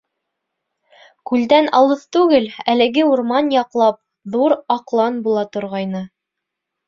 Күлдән алыҫ түгел, әлеге урман яҡлап ҙур аҡлан була торғайны.